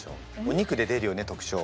お肉で出るよね特徴。